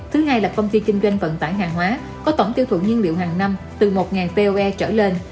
thứ hai là công ty kinh doanh vận tải hàng hóa có tổng tiêu thụ nhiên liệu hàng năm từ một pore trở lên